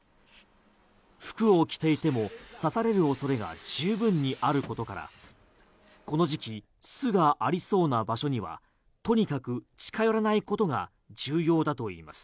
服を着ていても刺される恐れが十分にあることからこの時期巣がありそうな場所にはとにかく近寄らないことが重要だといいます。